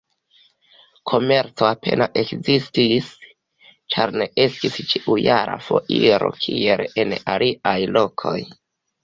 Komerco apenaŭ ekzistis, ĉar ne estis ĉiujara foiro, kiel en aliaj lokoj.